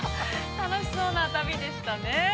◆楽しそうな旅でしたね。